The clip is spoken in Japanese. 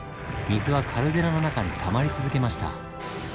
水はカルデラの中にたまり続けました。